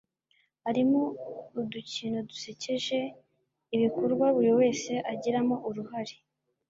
arimo udukino dusekeje, ibikorwa buri wese agiramo uruhare